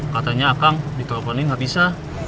katanya kang diteleponin gak bisa